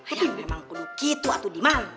ayah memang penuh gitu atu di mang